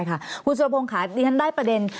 คุณสุรพงศ์ค่ะดิฉันได้ประเด็น